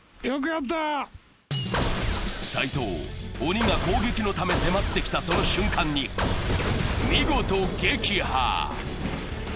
斉藤、鬼が攻撃のため迫ってきたその瞬間に、見事撃破！